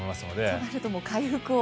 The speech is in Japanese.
となると回復を。